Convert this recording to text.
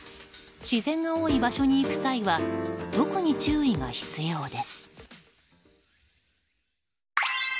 自然が多い場所に行く際は特に注意が必要です。